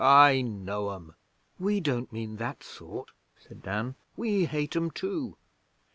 I know 'em!' 'We don't mean that sort,' said Dan. 'We hate 'em too.'